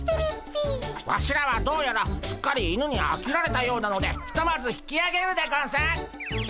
ワシらはどうやらすっかり犬にあきられたようなのでひとまず引きあげるでゴンス。